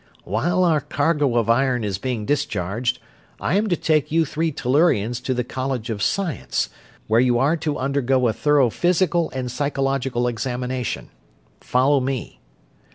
"While our cargo of iron is being discharged, I am to take you three Tellurians to the College of Science, where you are to undergo a thorough physical and psychological examination. Follow me."